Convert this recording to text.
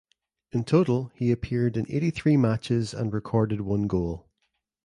In total he appeared in eighty three matches and recorded one goal.